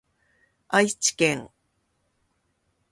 愛知県